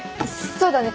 そうだね